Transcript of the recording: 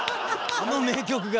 あの名曲が！